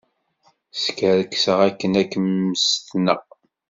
Skerkseɣ akken ad kem-mmestneɣ.